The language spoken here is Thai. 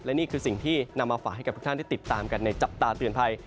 และนี่คือสิ่งที่นำมาฝากให้กับทุกท่านได้ติดตามกันในจับตาเตือนภัย